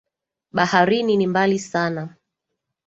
Baharini ni mbali sana.